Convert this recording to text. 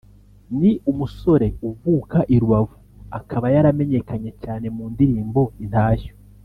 ni umusore uvuka i Rubavu akaba yaramenyekanye cyane mu ndirimbo ’Intashyo’